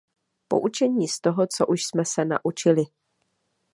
Poučení z toho, co už jsme se naučili.